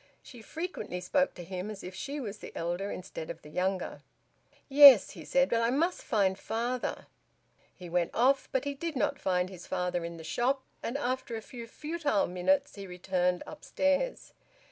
She frequently spoke to him as if she was the elder instead of the younger. "Yes," he said. "But I must find father." He went off, but he did not find his father in the shop, and after a few futile minutes he returned upstairs.